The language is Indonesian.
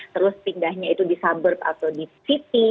terus pindahnya itu di suburb atau di city